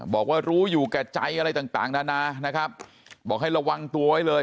บอกว่ารู้อยู่แก่ใจอะไรต่างนานานะครับบอกให้ระวังตัวไว้เลย